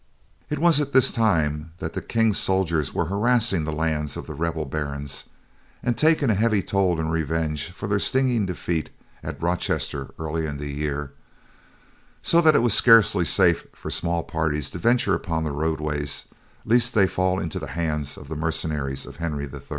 It was at this time that the King's soldiers were harassing the lands of the rebel barons, and taking a heavy toll in revenge for their stinging defeat at Rochester earlier in the year, so that it was scarcely safe for small parties to venture upon the roadways lest they fall into the hands of the mercenaries of Henry III.